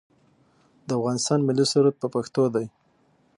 د افغانستان ملي سرود په پښتو دی